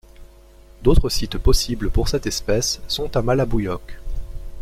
D'autres sites possibles pour cette espèce sont à Malabuyoc.